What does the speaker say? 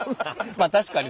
まあ確かに。